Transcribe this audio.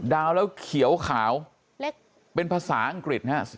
ดาวแล้วเขียวขาวเป็นภาษาอังกฤษฮะ